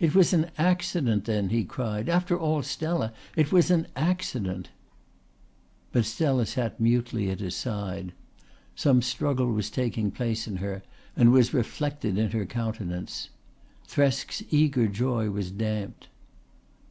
"It was an accident then," he cried. "After all, Stella, it was an accident." But Stella sat mutely at his side. Some struggle was taking place in her and was reflected in her countenance. Thresk's eager joy was damped.